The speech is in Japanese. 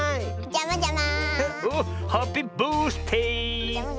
じゃまじゃま。